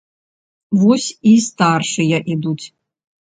Вось і старшыя ідуць.